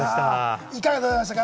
いかがでございましたかね？